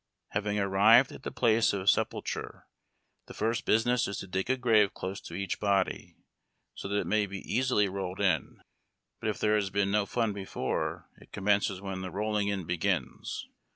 Having arrived at the place of sepulture, the first business is to dig a grave close to each body, so that it may be easily rolled in. But if there has been no fun before, it commences when the rolling in begins.